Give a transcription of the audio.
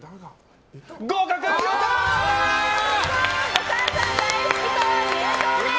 お母さん大好き党入党です！